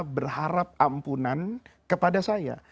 berharap ampunan kepada saya